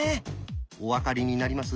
お分かりになります？